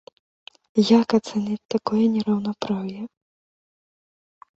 Як ацаніць такое нераўнапраўе?